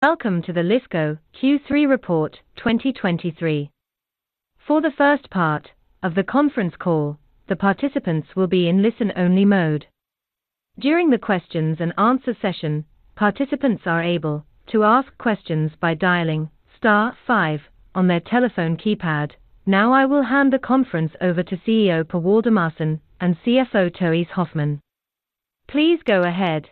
Welcome to the Lifco Q3 Report 2023. For the first part of the conference call, the participants will be in listen-only mode. During the questions and answer session, participants are able to ask questions by dialing star five on their telephone keypad. Now, I will hand the conference over to CEO Per Waldemarson and CFO Therése Hoffman. Please go ahead.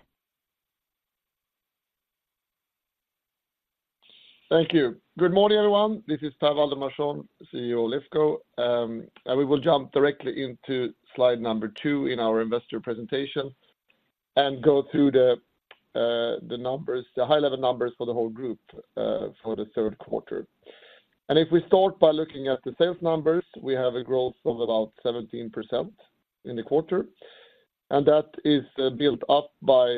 Thank you. Good morning, everyone. This is Per Waldemarson, CEO of Lifco, and we will jump directly into slide number two in our investor presentation and go through the numbers, the high-level numbers for the whole group for the third quarter. If we start by looking at the sales numbers, we have a growth of about 17% in the quarter, and that is built up by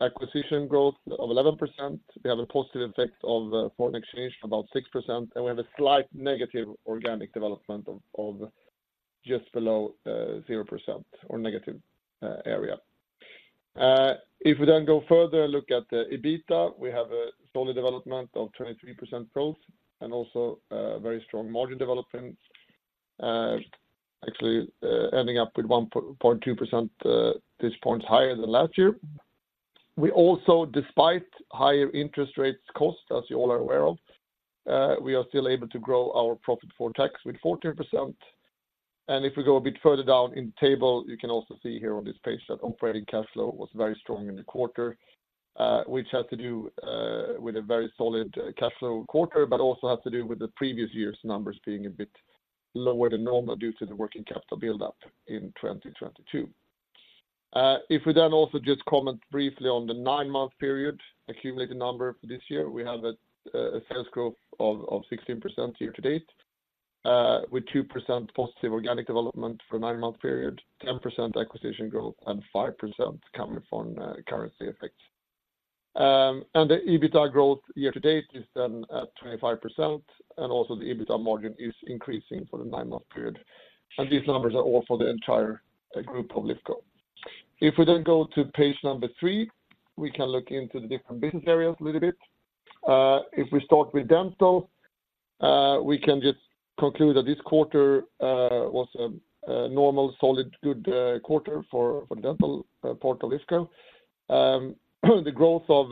acquisition growth of 11%. We have a positive effect of foreign exchange, about 6%, and we have a slight negative organic development of just below 0% or negative area. If we then go further, look at the EBITDA, we have a solid development of 23% growth and also very strong margin development, actually ending up with 1.2% points despite higher than last year. We also, despite higher interest rates cost, as you all are aware of, we are still able to grow our profit before tax with 14%. If we go a bit further down in the table, you can also see here on this page that operating cash flow was very strong in the quarter, which has to do with a very solid cash flow quarter, but also has to do with the previous year's numbers being a bit lower than normal due to the working capital buildup in 2022. If we then also just comment briefly on the nine-month period accumulated number for this year, we have a sales growth of 16% year-to-date with 2% positive organic development for a nine-month period, 10% acquisition growth, and 5% coming from currency effects. The EBITDA growth year-to-date is then at 25%, and also the EBITDA margin is increasing for the nine-month period, and these numbers are all for the entire group of Lifco. If we then go to page number three, we can look into the different business areas a little bit. If we start with Dental, we can just conclude that this quarter was a normal, solid, good quarter for Dental part of Lifco. The growth of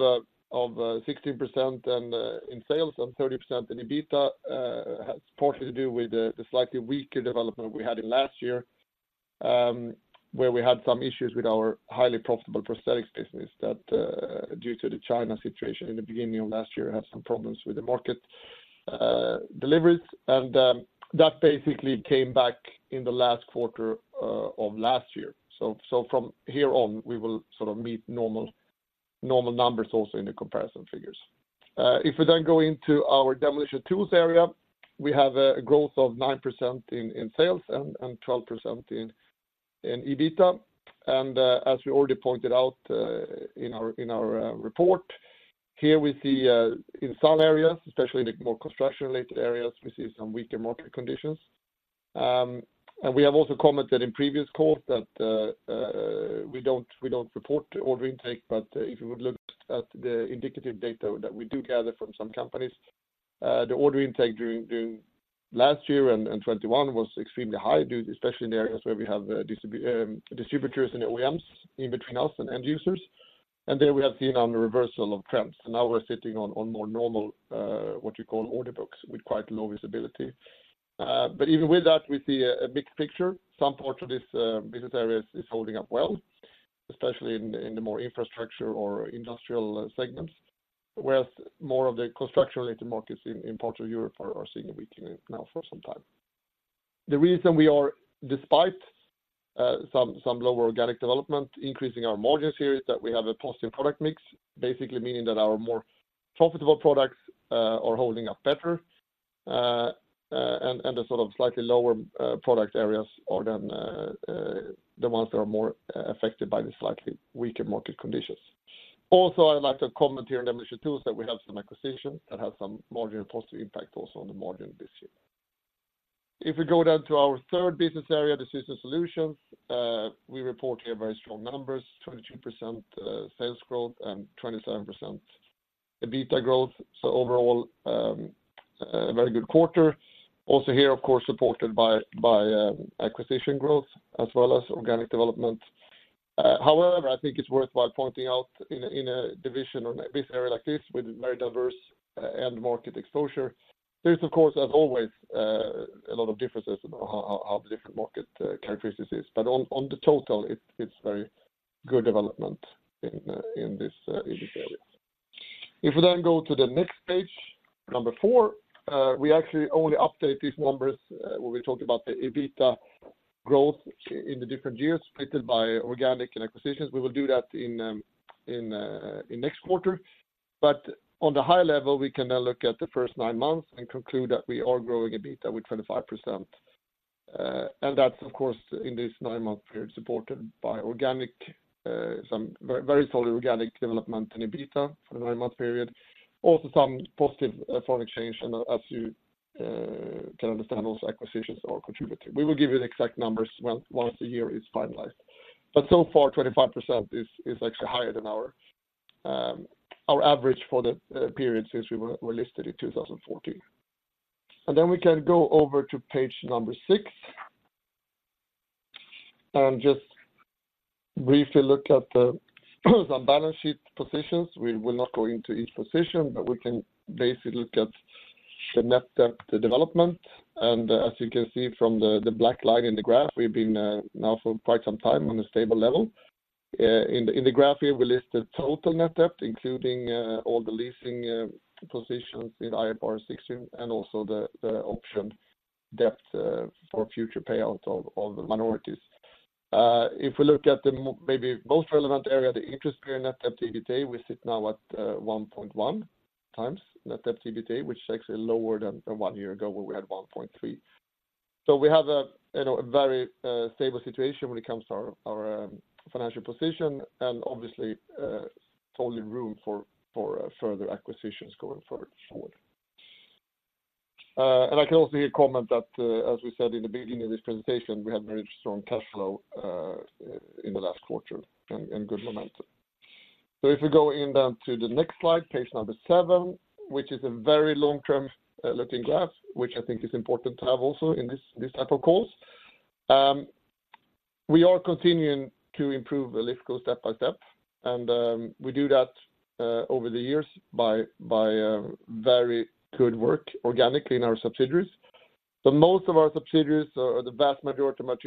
16% and in sales and 30% in EBITDA has partly to do with the slightly weaker development we had in last year, where we had some issues with our highly profitable prosthetics business that, due to the China situation in the beginning of last year, had some problems with the market deliveries, and that basically came back in the last quarter of last year. From here on, we will sort of meet normal numbers also in the comparison figures. If we then go into our Demolition Tools area, we have a growth of 9% in sales and 12% in EBITDA. As we already pointed out in our report, here we see in some areas, especially in the more construction-related areas, we see some weaker market conditions. We have also commented in previous calls that we don't report the order intake, but if you would look at the indicative data that we do gather from some companies, the order intake during last year and 2021 was extremely high, due especially in the areas where we have distributors and OEMs in between us and end users. We have seen on the reversal of trends. Now we're sitting on more normal, what you call order books, with quite low visibility. Even with that, we see a big picture. Some parts of this business areas is holding up well, especially in the more infrastructure or industrial segments, whereas more of the construction-related markets in parts of Europe are seeing a weakening now for some time. The reason we are, despite some lower organic development, increasing our margins here is that we have a positive product mix, basically meaning that our more profitable products are holding up better, and the sort of slightly lower product areas are then the ones that are more affected by the slightly weaker market conditions. Also, I'd like to comment here on Demolition Tools that we have some acquisitions that have some margin positive impact also on the margin this year. If we go down to our third business area, Systems Solutions, we report here very strong numbers, 22% sales growth and 27% EBITDA growth. Overall, a very good quarter. Also here, of course, supported by acquisition growth as well as organic development. However, I think it's worthwhile pointing out in a division or a business area like this, with very diverse end market exposure, there is, of course, as always, a lot of differences about how the different market characteristics is. On the total, it's very good development in this area. If we then go to the next page, number four, we actually only update these numbers when we talk about the EBITDA growth in the different years, splitted by organic and acquisitions. We will do that in next quarter, but on the high level, we can now look at the first nine months and conclude that we are growing EBITDA with 25%. That's, of course, in this nine-month period, supported by some very, very solid organic development in EBITDA for the nine-month period. Also, some positive foreign exchange, and as you can understand, those acquisitions are contributing. We will give you the exact numbers once a year is finalized. So far, 25% is actually higher than our average for the period since we listed in 2014. We can go over to page number six and just briefly look at the balance sheet positions. We will not go into each position, but we can basically look at the net debt, the development. As you can see from the black line in the graph, we've been now for quite some time on a stable level. In the graph here, we list the total net debt, including all the leasing positions in IFRS 16, and also the option debt for future payouts of all the minorities. If we look at the maybe most relevant area, the interest-bearing, net debt, EBITDA, we sit now at 1.1x net debt, EBITDA, which is actually lower than one year ago, where we had 1.3. We have a, you know, a very stable situation when it comes to our financial position, and obviously totally room for further acquisitions going further forward. I can also hear a comment that, as we said in the beginning of this presentation, we had very strong cash flow in the last quarter and good momentum. If we go in then to the next slide, page number seven, which is a very long-term looking graph, which I think is important to have also in this type of calls. We are continuing to improve Lifco step by step, and we do that over the years by very good work organically in our subsidiaries. Most of our subsidiaries, or the vast majority of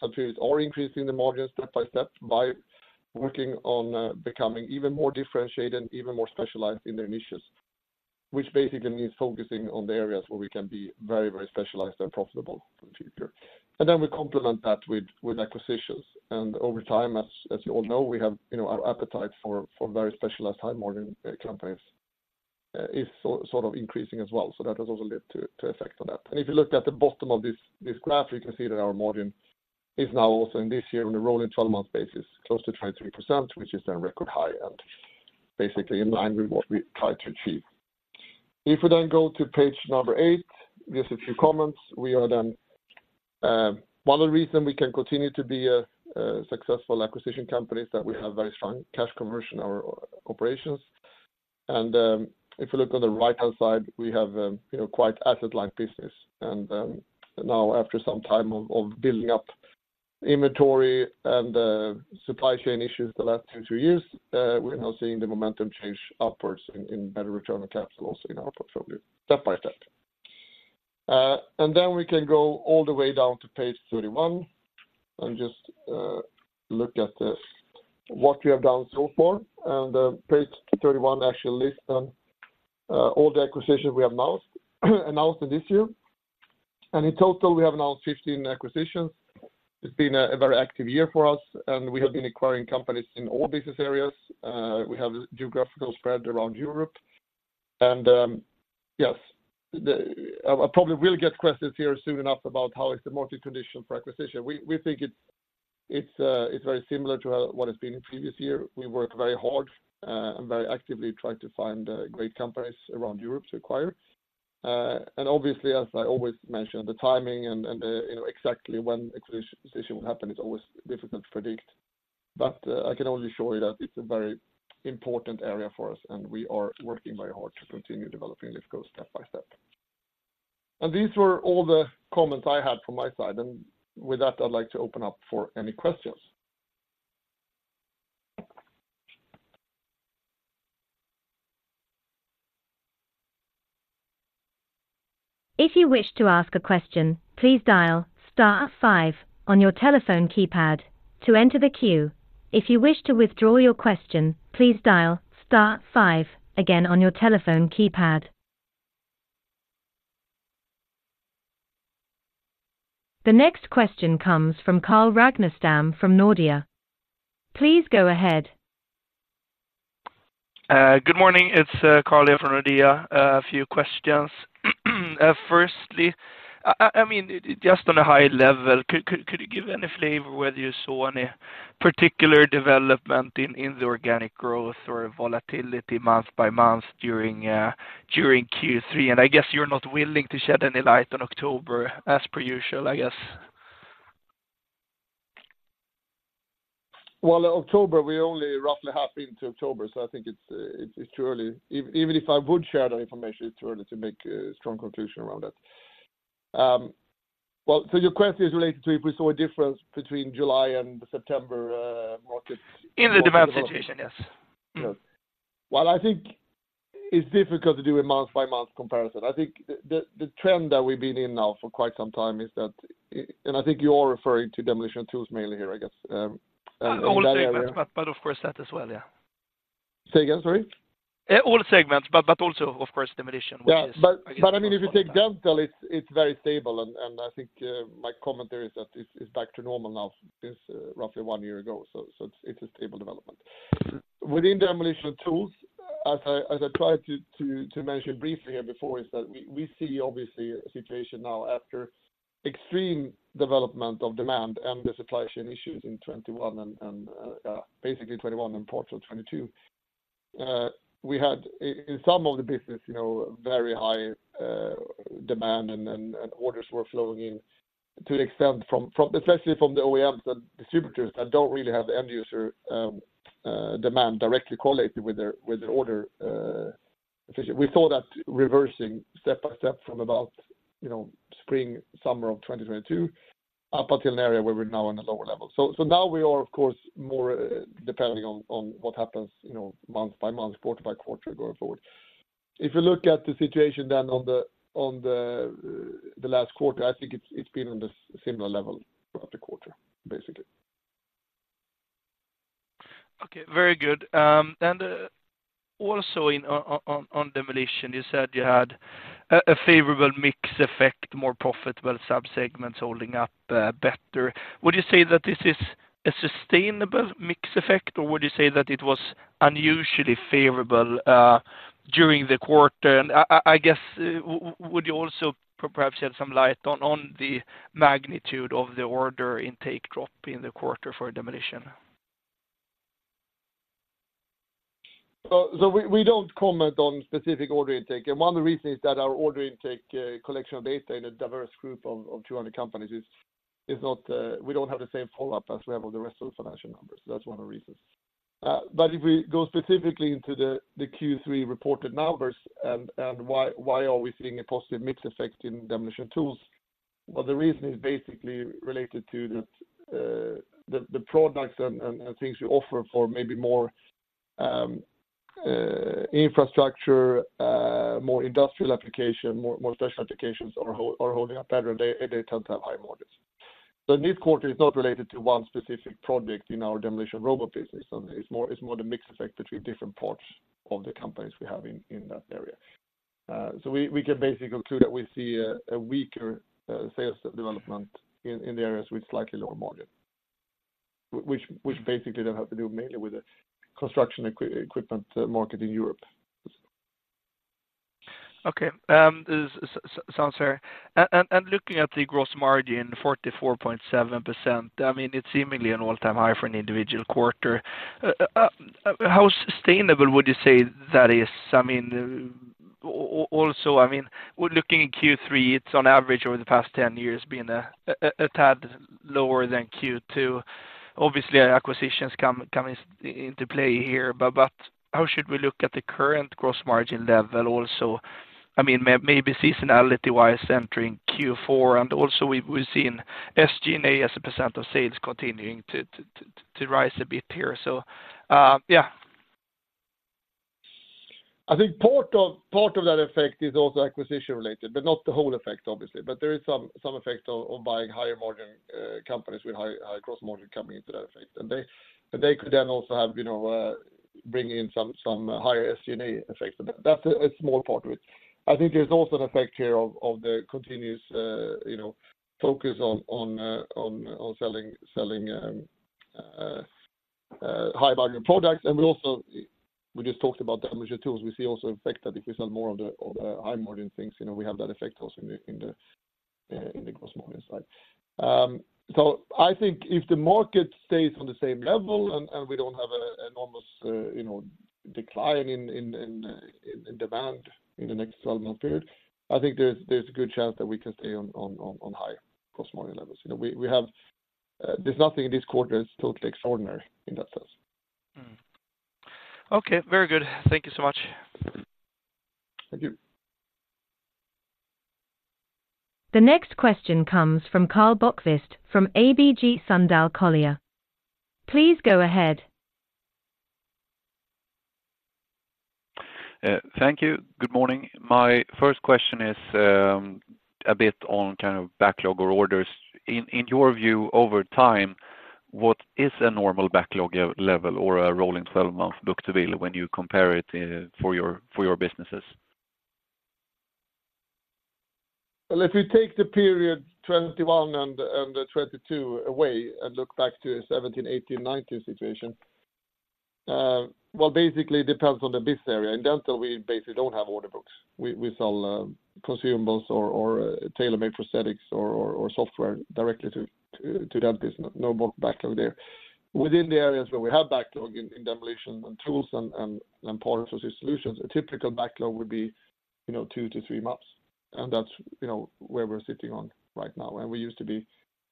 subsidiaries, are increasing the margin step by step by working on becoming even more differentiated, even more specialized in their niches, which basically means focusing on the areas where we can be very, very specialized and profitable for the future. Then we complement that with acquisitions, and over time, as you all know, we have, you know, our appetite for very specialized high-margin companies is sort of increasing as well. That has also led to effect on that. If you look at the bottom of this graph, you can see that our margin is now also in this year on a rolling 12-month basis, close to 23%, which is a record high and basically in line with what we try to achieve. If we then go to page number eight, just a few comments. We are then one of the reason we can continue to be a successful acquisition company is that we have very strong cash conversion or operations. If you look on the right-hand side, we have, you know, quite asset-light business. Now, after some time of building up inventory and the supply chain issues the last two-three years, we're now seeing the momentum change upwards in better return on capital also in our portfolio, step by step. We can go all the way down to page 31 and just look at what we have done so far. Page 31 actually lists down all the acquisitions we have announced in this year. In total, we have announced 15 acquisitions. It's been a very active year for us, and we have been acquiring companies in all business areas. We have geographical spread around Europe. Yes, I probably will get questions here soon enough about how is the market condition for acquisition. We think it's very similar to what it's been in previous year. We work very hard and very actively try to find great companies around Europe to acquire. Obviously, as I always mention, the timing and the, you know, exactly when acquisition will happen is always difficult to predict, but I can only show you that it's a very important area for us, and we are working very hard to continue developing Lifco step by step. These were all the comments I had from my side, and with that, I'd like to open up for any questions. If you wish to ask a question, please dial star five on your telephone keypad to enter the queue. If you wish to withdraw your question, please dial star five again on your telephone keypad. The next question comes from Carl Ragnerstam from Nordea. Please go ahead. Good morning, it's Carl here from Nordea. A few questions. Firstly, I mean, just on a high level, could you give any flavor whether you saw any particular development in the organic growth or volatility month-by-month during Q3? I guess you're not willing to shed any light on October, as per usual, I guess. Well, October, we only roughly half into October, so I think it's too early. Even if I would share that information, it's early to make a strong conclusion around that. Well, your question is related to if we saw a difference between July and September markets? In the demand situation, yes. Well, I think it's difficult to do a month-by-month comparison. I think the trend that we've been in now for quite some time is that, and I think you're referring to Demolition Tools mainly here, I guess, and that area. All segments, but of course, that as well, yeah. Say again, sorry? All segments, but also, of course, demolition. Yeah, but I mean, if you take Dental, it's very stable, and I think my comment there is that it's back to normal now, since roughly one year ago, so it's a stable development. Within Demolition Tools, as I tried to mention briefly here before, is that we see obviously a situation now after extreme development of demand and the supply chain issues in 2021 and basically 2021 and parts of 2022. We had in some of the business, you know, very high demand, and then orders were flowing in to the extent especially from the OEMs and distributors that don't really have the end user demand directly correlated with their order efficiency. We saw that reversing step by step from about, you know, spring, summer of 2022, up until an area where we're now on a lower level. Now we are, of course, more depending on what happens, you know, month-by-month, quarter-by-quarter, going forward. If you look at the situation then on the last quarter, I think it's been on the similar level throughout the quarter, basically. Okay, very good. Also on Demolition, you said you had a favorable mix effect, more profitable subsegments holding up better. Would you say that this is a sustainable mix effect, or would you say that it was unusually favorable during the quarter? I guess, would you also perhaps shed some light on the magnitude of the order intake drop in the quarter for Demolition? We don't comment on specific order intake, and one of the reasons is that our order intake collection of data in a diverse group of 200 companies is not, we don't have the same follow-up as we have on the rest of the financial numbers. That's one of the reasons. If we go specifically into the Q3 reported numbers, and why are we seeing a positive mix effect in Demolition & Tools? Well, the reason is basically related to the products and things we offer for maybe more infrastructure, more industrial application, more special applications are holding up better, and they tend to have high margins. This quarter is not related to one specific project in our demolition robot business, and it's more the mix effect between different parts of the companies we have in that area. We can basically conclude that we see a weaker sales development in the areas with slightly lower margin, which basically then have to do mainly with the construction equipment market in Europe. Okay, sounds fair. Looking at the gross margin, 44.7%, I mean, it's seemingly an all-time high for an individual quarter. How sustainable would you say that is? I mean, also, I mean, looking at Q3, it's on average over the past 10 years, been a tad lower than Q2. Obviously, acquisitions come into play here, but how should we look at the current gross margin level also? I mean, maybe seasonality-wise, entering Q4, and also we've seen SG&A as a % of sales continuing to rise a bit here, so yeah. I think part of, part of that effect is also acquisition-related, but not the whole effect, obviously. There is some, some effect of, of buying higher-margin companies with high, high gross margin coming into that effect. They, and they could then also have, you know, bring in some, some higher SG&A effects, but that's a, a small part of it. I think there's also an effect here of, of the continuous, you know, focus on, on, on, on selling, selling high-margin products. We also, we just talked about Demolition Tools. We see also an effect that if we sell more of the, of the high-margin things, you know, we have that effect also in the, in the, in the gross margin side. I think if the market stays on the same level, and we don't have an enormous, you know, decline in demand in the next 12-month period, I think there's a good chance that we can stay on high gross margin levels. You know, there's nothing in this quarter that's totally extraordinary in that sense. Mm. Okay, very good. Thank you so much. Thank you. The next question comes from Karl Bokvist from ABG Sundal Collier. Please go ahead. Thank you. Good morning. My first question is a bit on kind of backlog or orders. In your view, over time, what is a normal backlog level or a rolling 12-month book-to-bill when you compare it for your businesses? Well, if you take the period 2021 and 2022 away and look back to a 2017, 2018, 2019 situation, well, basically, it depends on the business area. In Dental, we basically don't have order books. We sell consumables or tailor-made prosthetics or software directly to dentists, no more backlog there. Within the areas where we have backlog in Demolition Tools and Systems Solutions, a typical backlog would be, you know, two to three months, and that's, you know, where we're sitting on right now, and we used to be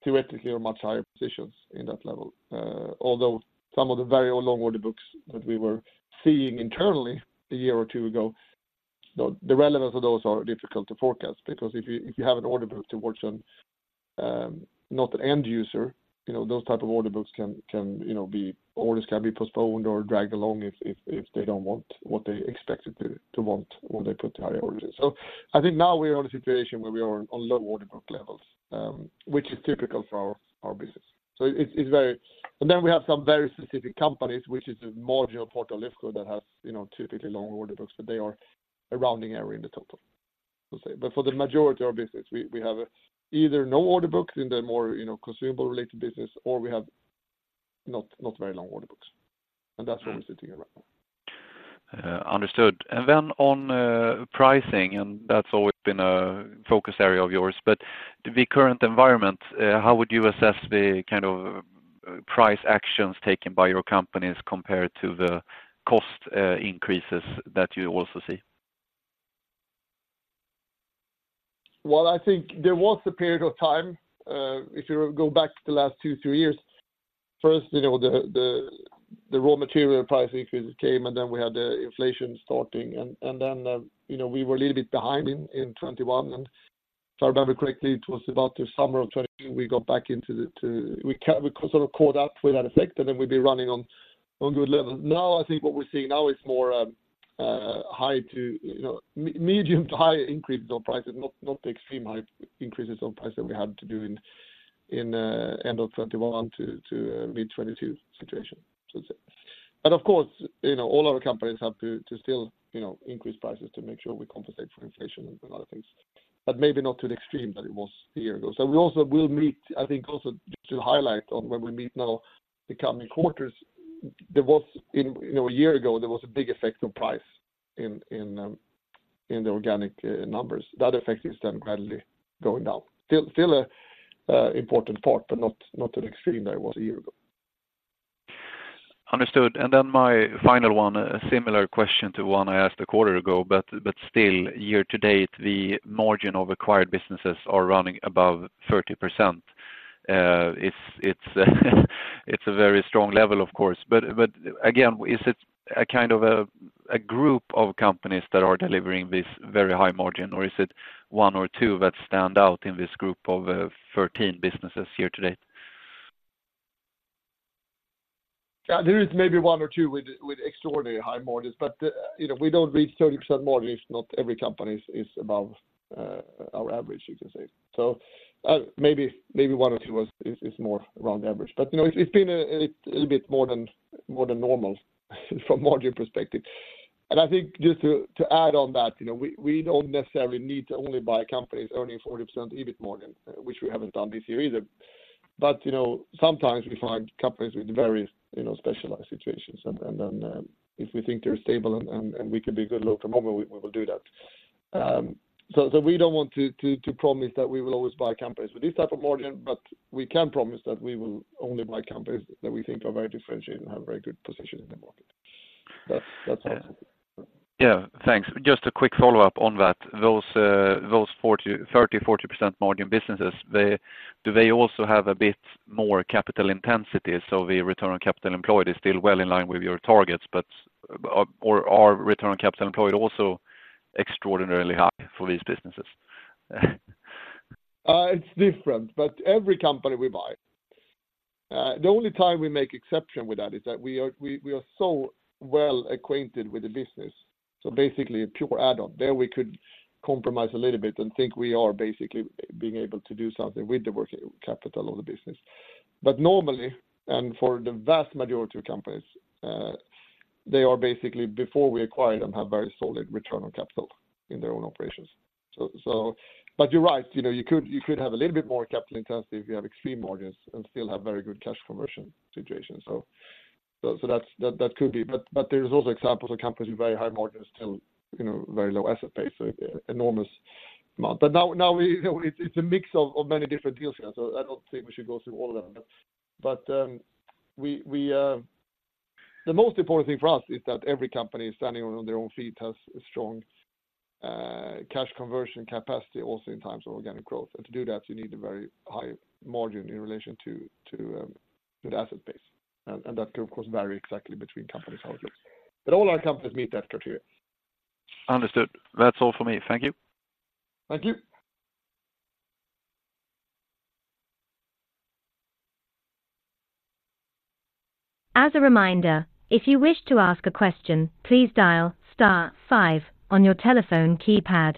theoretically much higher positions in that level. Although some of the very long order books that we were seeing internally a year or two ago, the relevance of those are difficult to forecast, because if you have an order book towards not an end user, you know, those type of order books can, you know, orders can be postponed or dragged along if they don't want what they expected to want when they put the high orders in. I think now we are in a situation where we are on low order book levels, which is typical for our business. It's very... Then we have some very specific companies, which is a module portal lift that has, you know, typically long order books, but they are a rounding error in the total, let's say. For the majority of our business, we have either no order books in the more, you know, consumable-related business, or we have not very long order books, and that's where we're sitting here right now. Understood. On pricing, and that's always been a focus area of yours, but the current environment, how would you assess the kind of price actions taken by your companies compared to the cost increases that you also see? Well, I think there was a period of time, if you go back to the last two, three years. First, you know, the raw material price increase came, and then we had the inflation starting. You know, we were a little bit behind in 2021, and if I remember correctly, it was about the summer of 2020, we sort of caught up with that effect, and then we'd be running on good levels. Now, I think what we're seeing now is more high to, you know, medium to high increases on prices, not the extreme high increases on price that we had to do in end of 2021 to mid-2022 situation. But of course, you know, all our companies have to still, you know, increase prices to make sure we compensate for inflation and a lot of things, but maybe not to the extreme that it was a year ago. We also will meet, I think, also just to highlight on when we meet now the coming quarters, there was, you know, a year ago, there was a big effect on price in the organic numbers. That effect is then gradually going down. Still a important part, but not an extreme that it was a year ago. Understood. My final one, a similar question to one I asked a quarter ago, but still, year-to-date, the margin of acquired businesses are running above 30%. It's a very strong level, of course, but again, is it a kind of a group of companies that are delivering this very high margin, or is it one or two that stand out in this group of 13 businesses year-to-date? Yeah, there is maybe one or two with extraordinarily high margins, but, you know, we don't reach 30% margin if not every company is above our average, you can say. Maybe one or two is more around average, but, you know, it's been a little bit more than normal from margin perspective. I think just to add on that, you know, we don't necessarily need to only buy companies earning 40% EBIT margin, which we haven't done this year either. You know, sometimes we find companies with very, you know, specialized situations, and then if we think they're stable and we can be a good local member, we will do that. We don't want to promise that we will always buy companies with this type of margin, but we can promise that we will only buy companies that we think are very differentiated and have a very good position in the market. That's us. Yeah, thanks. Just a quick follow-up on that. Those 40%, 30%, 40% margin businesses, do they also have a bit more capital intensity? The return on capital employed is still well in line with your targets, or are return on capital employed also extraordinarily high for these businesses? It's different, but every company we buy, the only time we make exception with that is that we are so well acquainted with the business, so basically a pure add-on. There, we could compromise a little bit and think we are basically being able to do something with the working capital of the business. Normally, and for the vast majority of companies, they basically, before we acquire them, have very solid return on capital in their own operations. You're right, you know, you could have a little bit more capital intensity if you have extreme margins and still have very good cash conversion situation. That could be, but there's also examples of companies with very high margins, still, you know, very low asset base, so enormous amount. Now, you know, it's a mix of many different deals here, so I don't think we should go through all of them. The most important thing for us is that every company standing on their own feet has a strong cash conversion capacity, also in times of organic growth. To do that, you need a very high margin in relation to the asset base. That could, of course, vary exactly between companies, how it looks. All our companies meet that criteria. Understood. That's all for me. Thank you. Thank you. As a reminder, if you wish to ask a question, please dial star five on your telephone keypad.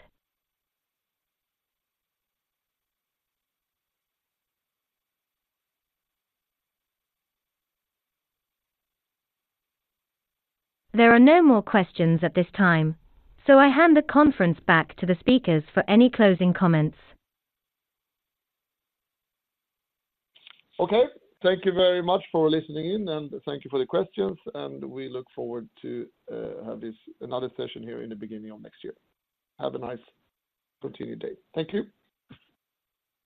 There are no more questions at this time, so I hand the conference back to the speakers for any closing comments. Okay. Thank you very much for listening in, and thank you for the questions, and we look forward to have this another session here in the beginning of next year. Have a nice continued day. Thank you.